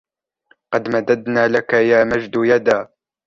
قد مددنا لك يا مجد يدا